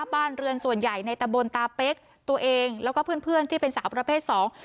บ้านเรือนส่วนใหญ่ในตะบนตาเป๊กตัวเองแล้วก็เพื่อนเพื่อนที่เป็นสาวประเภทสอง